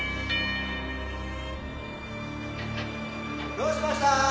どうしました？